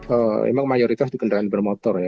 oh emang mayoritas di kendaraan bermotor ya